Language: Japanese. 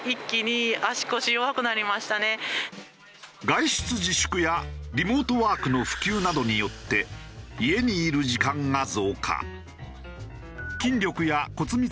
外出自粛やリモートワークの普及などによって家にいる時間が増加。